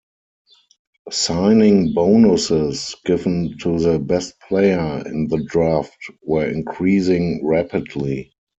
Signing bonuses given to the best player in the draft were increasing rapidly.